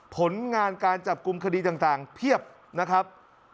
ผลงานการจับกลุ่มคดีต่างเพียบนะครับ